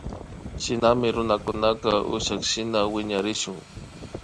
Shinami runakunaka ukshashina wiñarishun